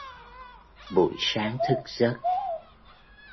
Buổi sáng thức giấc